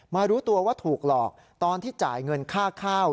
รู้ตัวว่าถูกหลอกตอนที่จ่ายเงินค่าข้าว